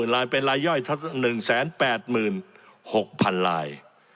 ๑๙๐๐ลายเป็นรายย่อย๑๘๖๐๐๐ลาย